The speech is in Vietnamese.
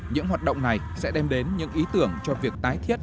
những hoạt động này sẽ đem đến những ý tưởng cho việc tái thiết